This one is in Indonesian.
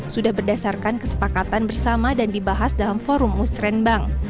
sudah berdasarkan kesepakatan bersama dan dibahas dalam forum musrembang